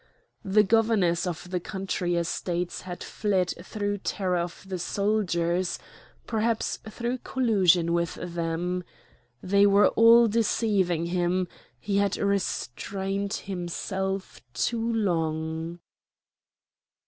The governors of the country estates had fled through terror of the soldiers, perhaps through collusion with them; they were all deceiving him; he had restrained himself too long.